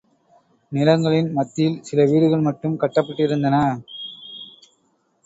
நிலங்களின் மத்தியில் சில வீடுகள் மட்டும் கட்டப்பட்டிருந்தன.